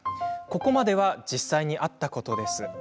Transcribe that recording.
ここまでは実際にあったことです。